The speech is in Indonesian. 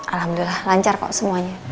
alhamdulillah lancar kok semuanya